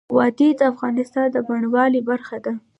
وادي د افغانستان د بڼوالۍ برخه ده.